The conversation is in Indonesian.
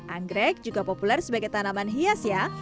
anggrek juga populer sebagai tanaman hias ya